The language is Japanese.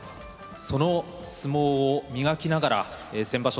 その相撲を磨きながら先場所